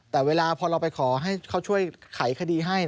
แต่เวลาพอเราไปขอให้เขาช่วยไขคดีให้